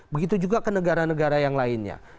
begitu juga ke negara negara yang lainnya